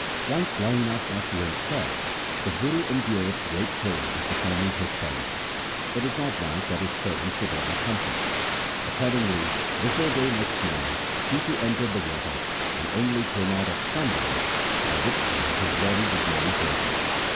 Once Lahina thought to himself, ' The Guru endureth great cold in performing his penance. It is not right that his servant should live in comfort.' Accordingly before day next morning he too entered 6 THE SIKH RELIGION the water, and only came out at sunrise, by which time his body was nearly frozen.